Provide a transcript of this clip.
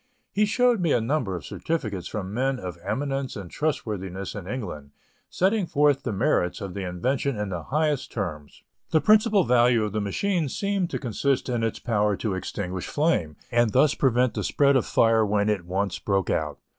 He showed me a number of certificates from men of eminence and trustworthiness in England, setting forth the merits of the invention in the highest terms. The principal value of the machine seemed to consist in its power to extinguish flame, and thus prevent the spread of fire when it once broke out.